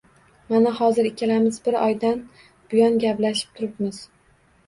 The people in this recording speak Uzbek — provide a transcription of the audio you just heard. — Mana, hozir ikkalamiz bir oydan buyon gaplashib turibmiz.